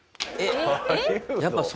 えっ！